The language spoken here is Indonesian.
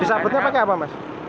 disapitnya pakai apa mas